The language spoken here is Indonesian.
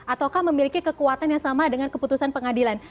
ataukah memiliki kekuatan yang sama dengan keputusan pengadilan